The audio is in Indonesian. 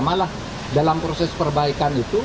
malah dalam proses perbaikan itu